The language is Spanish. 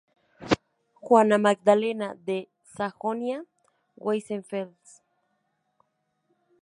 Juana Magdalena de Sajonia-Weissenfels